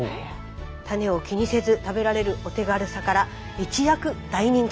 種を気にせず食べられるお手軽さから一躍大人気に。